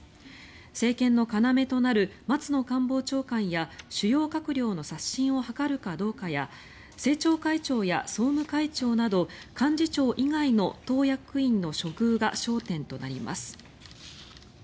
政権の要となる松野官房長官や主要閣僚の刷新を図るかどうかや政調会長や総務会長など幹事長以外の党役員の処遇が焦点となります。